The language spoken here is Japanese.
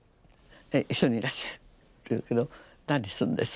「一緒にいらっしゃい」と言うけど「何するんです？」